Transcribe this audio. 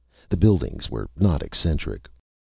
The buildings were not eccentric.